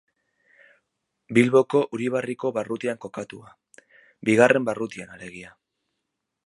Bilboko Uribarriko barrutian kokatua, bigarren barrutian alegia.